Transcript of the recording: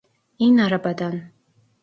İn arabadan!